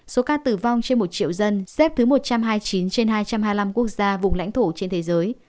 số ca tử vong trên một triệu dân xếp thứ một trăm hai mươi chín trên hai trăm hai mươi năm quốc gia vùng lãnh thổ trên thế giới